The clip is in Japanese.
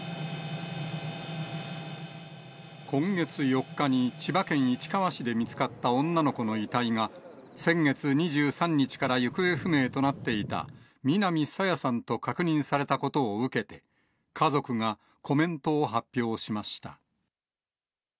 今月４日に、千葉県市川市で見つかった女の子の遺体が、先月２３日から行方不明となっていた、南朝芽さんと確認されたことを受けて、家族がコメントを発表しました。